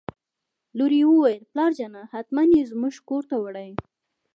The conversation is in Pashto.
لور یې وویل: پلارجانه حتماً یې زموږ کور ته وړي.